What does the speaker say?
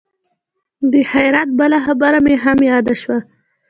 د خیرات بله خبره مې هم یاده شوه.